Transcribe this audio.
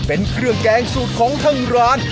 เป็นเครื่องแกงสูตรของทางร้าน